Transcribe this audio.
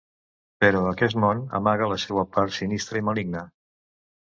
Però aquest món amaga la seua part sinistra i maligna.